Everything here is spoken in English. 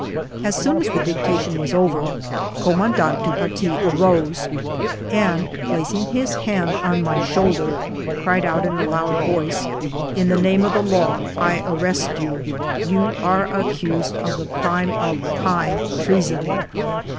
As soon as the dictation was over, Command ant du Paty arose and, placing his hand on my shoulder, cried out in a loud voice :" In the name of the law, 1 arrest you ; you are accused of the crime of high treason."